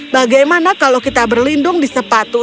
bagaimana kalau kita berlindung di sepatu